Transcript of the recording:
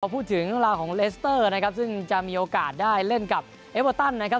พูดถึงราวของเลสเตอร์นะครับซึ่งจะมีโอกาสได้เล่นกับเอเวอร์ตันนะครับ